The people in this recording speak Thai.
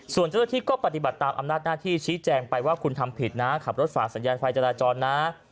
ส่วนเจ้าหน้าที่ก็ปฏิบัติตามอำนาจหน้าที่ชี้แจงไปว่าคุณทำผิดนะขับรถฝ่าสัญญาณไฟจราจรนะ